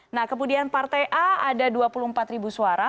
nah kemudian partai a ada dua puluh empat ribu suara